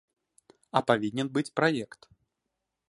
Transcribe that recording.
А павінен быць праект.